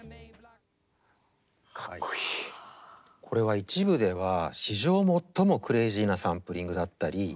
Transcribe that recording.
これは一部では史上最もクレージーなサンプリングだったり